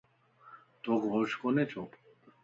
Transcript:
توک ھوش ڪوني ڇو؟